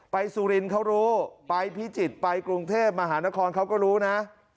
ไปสุรินข้ารู้ไปพิจิตย์ไปกรุงเทพฯมหานครเขารู้นะ